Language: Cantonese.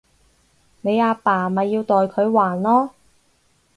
你阿爸咪要代佢還囉